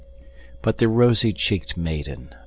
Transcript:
But the rosy cheeked maiden.